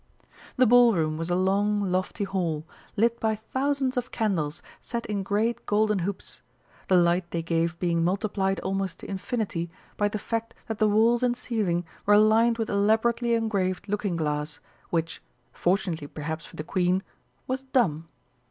The Ball Room was a long, lofty hall, lit by thousands of candles set in great golden hoops; the light they gave being multiplied almost to infinity by the fact that the walls and ceiling were lined with elaborately engraved looking glass, which, fortunately perhaps for the Queen, was dumb.